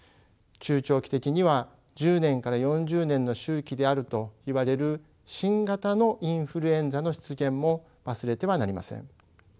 中長期的には１０年から４０年の周期であるといわれる新型のインフルエンザの出現も忘れてはなりません。